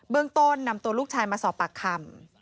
ต้นนำตัวลูกชายมาสอบปากคำ